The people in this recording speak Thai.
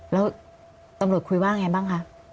แล้วตำรวจคุยว่าไงบ้างคะ